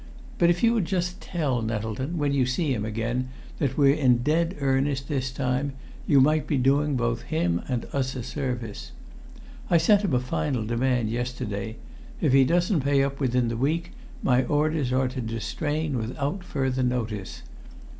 "But if you would just tell Nettleton, when you see him again, that we're in dead earnest this time, you might be doing both him and us a service. I sent him a final demand yesterday; if he doesn't pay up within the week, my orders are to distrain without further notice.